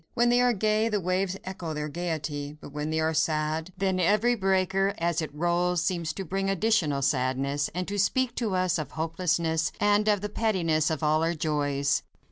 When they are gay, the waves echo their gaiety; but when they are sad, then every breaker, as it rolls, seems to bring additional sadness, and to speak to us of hopelessness and of the pettiness of all our joys.